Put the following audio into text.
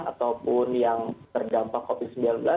ataupun yang terdampak covid sembilan belas